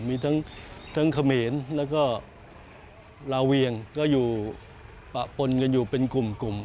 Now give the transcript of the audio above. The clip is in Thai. มีทั้งเขมรแล้วก็ลาเวียงก็อยู่ปะปนกันอยู่เป็นกลุ่ม